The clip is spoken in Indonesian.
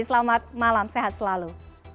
selamat malam sehat selalu